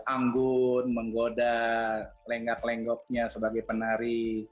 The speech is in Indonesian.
anggun menggoda lenggak lenggoknya sebagai penari